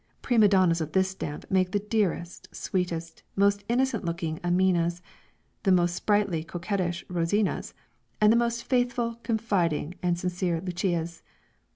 Prima donnas of this stamp make the dearest, sweetest, most innocent looking Aminas; the most sprightly, coquettish Rosinas, and the most faithful, confiding and sincere Lucias.